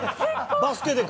バスケでか。